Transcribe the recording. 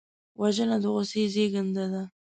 وژنه د غصې زېږنده ده